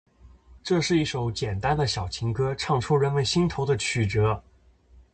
这是一首简单的小情歌，唱出人们心头的曲折